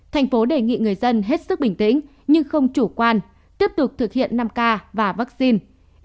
thành phố đề nghị người dân hết sức bình tĩnh nhưng không chủ quan tiếp tục thực hiện năm k và vaccine